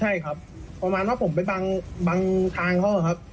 ใช่ครับประมาณว่าผมไปบังทางเขาอะครับ